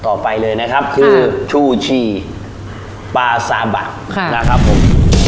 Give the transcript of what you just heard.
ต่อไปเลยนะครับคือชูชีปลาซาบะนะครับผม